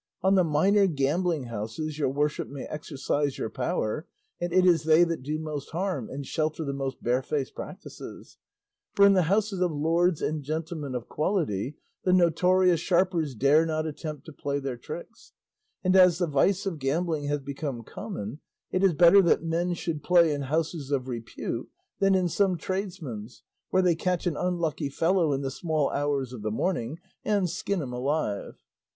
On the minor gambling houses your worship may exercise your power, and it is they that do most harm and shelter the most barefaced practices; for in the houses of lords and gentlemen of quality the notorious sharpers dare not attempt to play their tricks; and as the vice of gambling has become common, it is better that men should play in houses of repute than in some tradesman's, where they catch an unlucky fellow in the small hours of the morning and skin him alive."